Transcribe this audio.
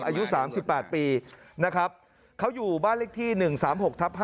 อายุ๓๘ปีนะครับเขาอยู่บ้านเลขที่๑๓๖ทับ๕